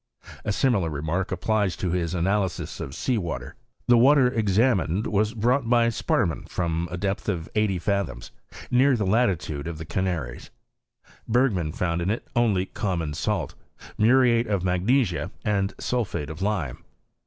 &. i similar remark applies to his analysis of sea water.. I The water examined was brought by Sparmana from a depth of eighty fathoms, near the latitude of tha Canaries : Bergman found in it only common salt, muriate of magnesia, and sulphate of lime.